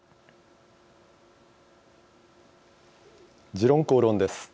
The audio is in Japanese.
「時論公論」です。